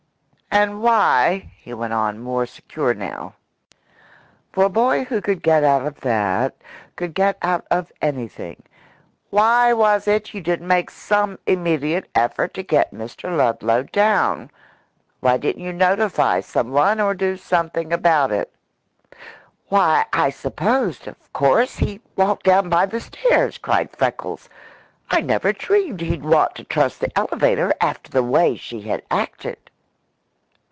"And why," he went on, more secure now, for a boy who could get out of that could get out of anything, "why was it you didn't make some immediate effort to get Mr. Ludlow down? Why didn't you notify someone, or do something about it?" "Why, I supposed, of course, he walked down by the stairs," cried Freckles. "I never dreamed he'd want to trust the elevator after the way she had acted."